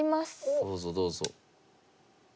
どうぞどうぞ。